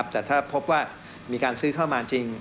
แต่ถ้าพบว่ามีการซื้อเข้ามาจริง